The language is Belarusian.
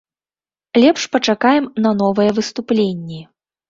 Лепш пачакаем на новыя выступленні.